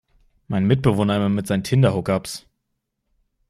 Mein Mitbewohner immer mit seinen Tinder-Hookups!